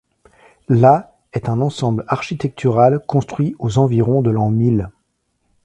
La est un ensemble architectural construit aux environs de l'an mil.